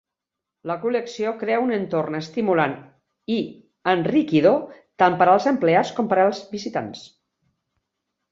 La col·lecció crea un entorn estimulant i enriquidor tant per als empleats com per als visitants.